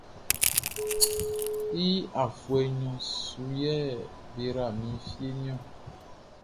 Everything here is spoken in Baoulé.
I afuɛ nɲɔn su yɛ be yra mi fieʼn niɔn.